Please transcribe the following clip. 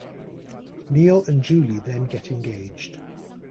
Neil and Julie then get engaged.